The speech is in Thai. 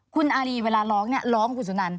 คุณอารีเวลาร้องร้องพุธสนาน